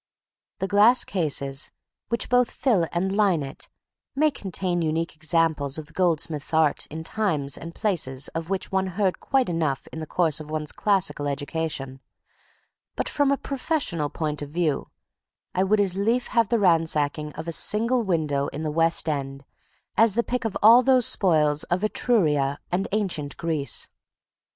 The glass cases, which both fill and line it, may contain unique examples of the goldsmith's art in times and places of which one heard quite enough in the course of one's classical education; but, from a professional point of view, I would as lief have the ransacking of a single window in the West End as the pick of all those spoils of Etruria and of ancient Greece.